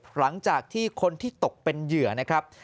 หลังจากที่คนที่ตกเป็นเหยื่อนะครับ